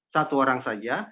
satu orang saja